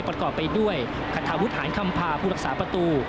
ประกอบไปด้วยคาทาวุฒิหารคำพาผู้รักษาประตู